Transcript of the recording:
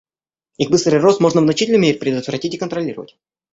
Их быстрый рост можно в значительной мере предотвратить и контролировать.